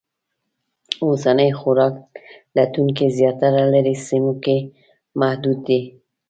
اوسني خوراک لټونکي زیاتره لرې سیمو کې محدود دي.